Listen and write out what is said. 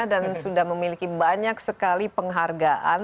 dan sudah memiliki banyak sekali penghargaan